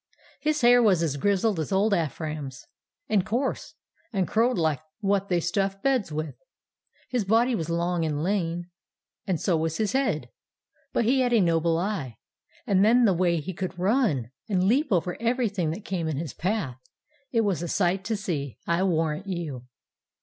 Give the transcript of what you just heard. "His hair was as grizzled as old Ephraim's, and coarse, and curled like what they stuff beds with. His body was long and lean, and so was his head, but he had a noble eye; and then the way he could run, and leap over everything that came in his path, it was a sight to see, I warrant you.